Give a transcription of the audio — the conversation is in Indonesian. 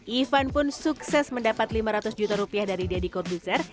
ivan pun sukses mendapat lima ratus juta rupiah dari deddy kobuser